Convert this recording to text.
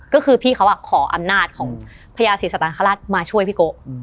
ก็คือพี่เขาขออำนาจของพญาศรีสตานคราชมาช่วยพี่โก